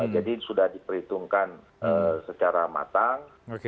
jadi sudah diperhitungkan secara matang